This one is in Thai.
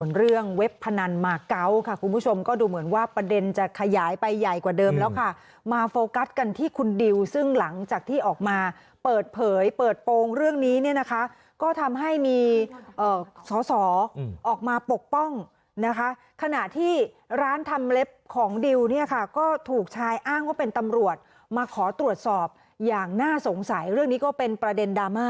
เรื่องเว็บพนันมาเกาะค่ะคุณผู้ชมก็ดูเหมือนว่าประเด็นจะขยายไปใหญ่กว่าเดิมแล้วค่ะมาโฟกัสกันที่คุณดิวซึ่งหลังจากที่ออกมาเปิดเผยเปิดโปรงเรื่องนี้เนี่ยนะคะก็ทำให้มีสอสอออกมาปกป้องนะคะขณะที่ร้านทำเล็บของดิวเนี่ยค่ะก็ถูกชายอ้างว่าเป็นตำรวจมาขอตรวจสอบอย่างน่าสงสัยเรื่องนี้ก็เป็นประเด็นดราม่า